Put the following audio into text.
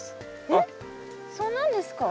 えっそうなんですか？